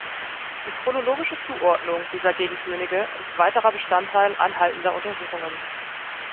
Die chronologische Zuordnung dieser Gegenkönige ist weiterer Bestandteil anhaltender Untersuchungen.